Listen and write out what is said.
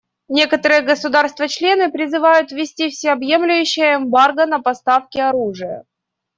Некоторые государства-члены призывают ввести всеобъемлющее эмбарго на поставки оружия.